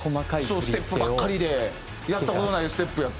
ステップばっかりでやった事ないステップやった。